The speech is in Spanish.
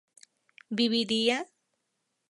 ¿viviría?